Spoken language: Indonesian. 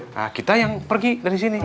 nah kita yang pergi dari sini